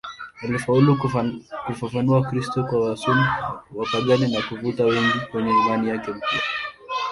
Alifaulu kufafanua Ukristo kwa wasomi wapagani na kuvuta wengi kwenye imani yake mpya.